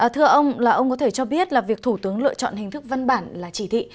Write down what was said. thưa ông là ông có thể cho biết là việc thủ tướng lựa chọn hình thức văn bản là chỉ thị